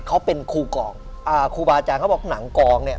เขาเป็นครูกองอ่าครูบาอาจารย์เขาบอกหนังกองเนี่ย